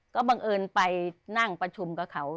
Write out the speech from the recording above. ก็บังเอิญไปนั่งประชุมกับเขา